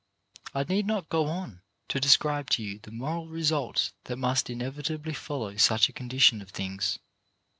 I need not go on to describe to you the moral results that must inevitably follow such a 198 CHARACTER BUILDING condition of things.